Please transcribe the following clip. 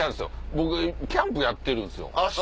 僕キャンプやってるんすよ。